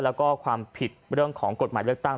แล้วก็ความผิดเรื่องของกฎหมายเลือกตั้ง